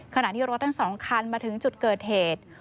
ขณะที่รถทั้ง๒คันมาถึงจุดเกิดเหตุ